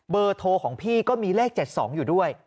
เบอร์โทรของพี่ก็มีเลข๗๒อยู่ด้วย